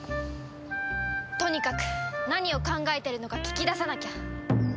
とにかく何を考えてるのか聞き出さなきゃ。